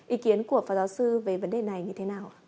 ý kiến của phạm giáo sư về vấn đề này như thế nào